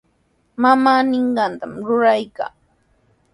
Mamaa ninqantami ruraykaa.